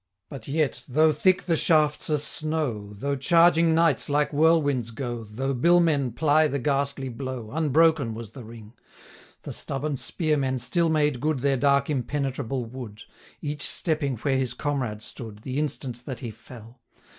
But yet, though thick the shafts as snow, Though charging knights like whirlwinds go, 1030 Though bill men ply the ghastly blow, Unbroken was the ring; The stubborn spear men still made good Their dark impenetrable wood, Each stepping where his comrade stood, 1035 The instant that he fell.